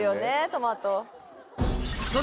トマト。